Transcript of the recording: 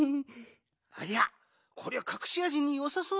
ありゃこりゃかくしあじによさそうな木のみだね。